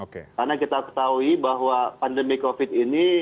karena kita ketahui bahwa pandemi covid ini